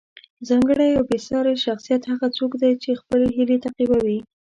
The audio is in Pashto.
ځانګړی او بې ساری شخصیت هغه څوک دی چې خپلې هیلې تعقیبوي.